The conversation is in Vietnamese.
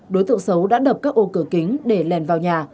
đối tượng xấu đã đập các ô cửa kính để lèn vào nhà